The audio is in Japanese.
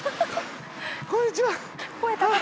こんにちははぁ。